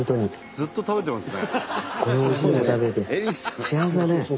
ずっと食べてますね。